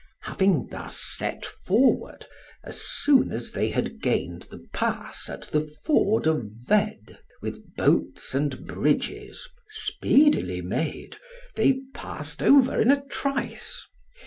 Having thus set forward, as soon as they had gained the pass at the ford of Vede, with boats and bridges speedily made they passed over in a trice.